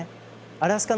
アラスカ